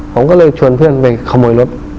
ผมก็เลยชวนเพื่อนไปขโมยรถ